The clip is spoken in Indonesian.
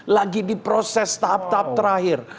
lagi di proses tahap tahap terakhir